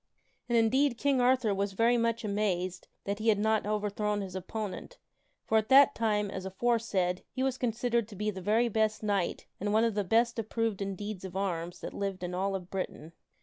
And indeed King Arthur was very much amazed that he had not over thrown his opponent, for, at that time, as aforesaid, he was considered to be the very best knight and the one best approved in deeds of arms that lived in all of Britain.